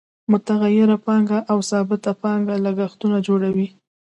متغیره پانګه او ثابته پانګه لګښتونه جوړوي